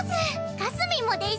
かすみんもです！